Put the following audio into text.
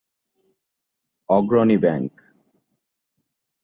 Agrani bank.